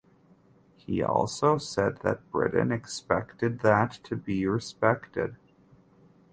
He also said that Britain expected that to be respected.